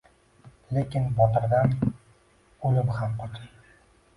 Lekin botirdan o`lim ham qochadi